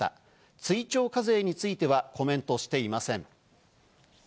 追徴課税についてはコメントしていません。